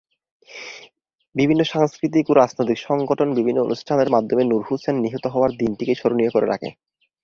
বিভিন্ন সাংস্কৃতিক ও রাজনৈতিক সংগঠন বিভিন্ন অনুষ্ঠানের মাধ্যমে নূর হোসেন নিহত হওয়ার দিনটিকে স্মরণীয় করে রাখে।